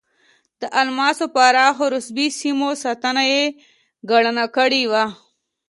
د الماسو پراخو رسوبي سیمو ساتنه یې ګرانه کړې وه.